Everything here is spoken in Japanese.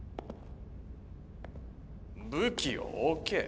武器を置け。